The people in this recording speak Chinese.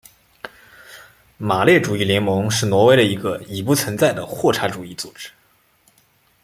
马列主义联盟是挪威的一个已不存在的霍查主义组织。